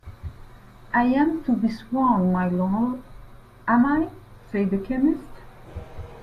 ‘I am to be sworn, my Lord, am I?’ said the chemist.